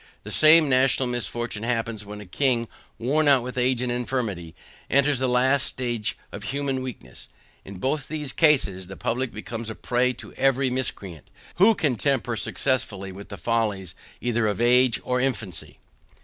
The same national misfortune happens, when a king worn out with age and infirmity, enters the last stage of human weakness. In both these cases the public becomes a prey to every miscreant, who can tamper successfully with the follies either of age or infancy.